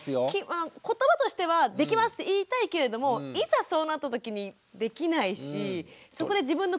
言葉としては「できます」って言いたいけれどもいざそうなったときにできないしそこで自分の首絞めることになるよなって。